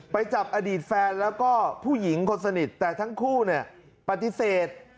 ไปจับอดีตแฟนแล้วก็ผู้หญิงคนสนิทแต่ทั้งคู่เนี่ยปฏิเสธ